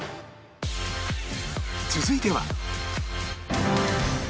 続いては